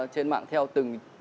trên mạng theo từng